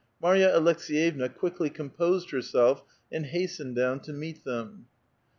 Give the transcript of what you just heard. Marya Aleks^yevna quickly composed herself and hastened down to meet them.